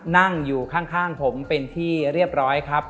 นั่งอยู่ข้างผมเป็นที่เรียบร้อยครับ